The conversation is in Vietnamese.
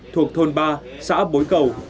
thuộc thôn ba xã bối cầu